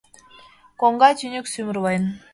— Коҥга тӱньык сӱмырлен...